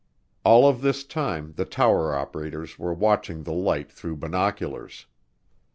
All of this time the tower operators were watching the light through binoculars.